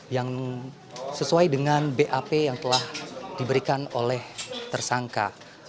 yang sesuai dengan bap yang telah diberikan oleh tersangka